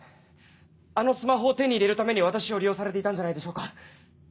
あのスマホを手に入れるために私を利用されていたんじゃないでしょうか？